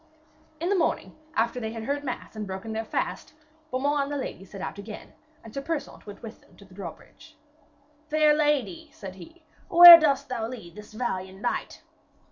In the morning, after they had heard mass and broken their fast, Beaumains and the lady set out again, and Sir Persaunt went with them to the drawbridge. 'Fair lady,' said he, 'where dost thou lead this valiant knight?'